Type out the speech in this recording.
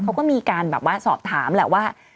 เขาก็มีการสอบถามแหละว่า